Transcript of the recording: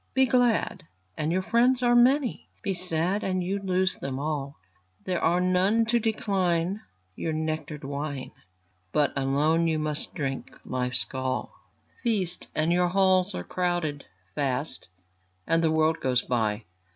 Be glad, and your friends are many; Be sad, and you lose them all; There are none to decline your nectar'd wine, But alone you must drink life's gall. Feast, and your halls are crowded; Fast, and the world goes by.